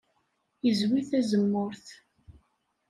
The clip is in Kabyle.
Yezwi tazemmurt.